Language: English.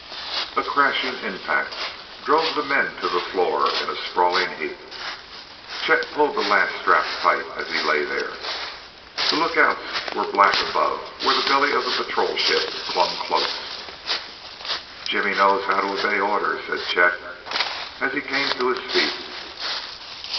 A crashing impact drove the men to the floor in a sprawling heap; Chet pulled the last strap tight as he lay there. The lookouts were black above where the belly of a Patrol Ship clung close. "Jimmy knows how to obey orders," said Chet as he came to his feet.